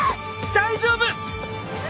大丈夫！